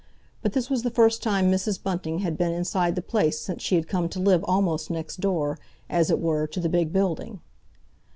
But this was the first time Mrs. Bunting had been inside the place since she had come to live almost next door, as it were, to the big building.